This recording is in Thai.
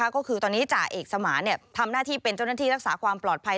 ก็คือตอนนี้จ่าเอกสมานทำหน้าที่เป็นเจ้าหน้าที่รักษาความปลอดภัย